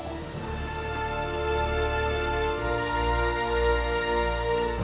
aku sangat rindukan ibu